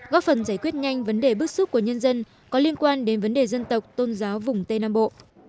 góp phần giải quyết nhanh vấn đề bức xúc của nhân dân có liên quan đến vấn đề dân tộc tôn giáo vùng tây nam bộ